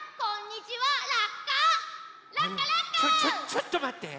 ちょっとまって！